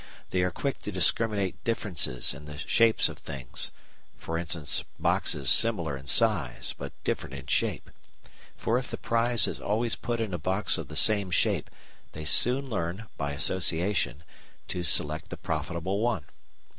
They are quick to discriminate differences in the shapes of things, e.g. boxes similar in size but different in shape, for if the prize is always put in a box of the same shape they soon learn (by association) to select the profitable one.